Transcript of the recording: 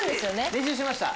練習しました。